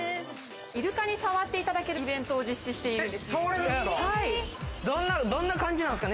イルカに触っていただけるイベントを実施しているんです。